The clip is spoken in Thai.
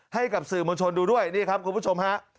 ให้กับสื่อมวลชนดูด้วยนี่ครับคุณผู้ชมฮะ